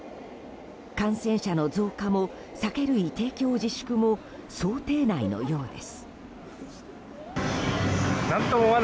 感染者の増加も酒類提供自粛も想定内のようです。